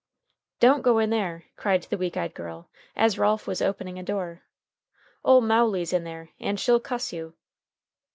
"Don't go in there," cried the weak eyed girl, as Ralph was opening a door. "Ole Mowley's in there, and she'll cuss you."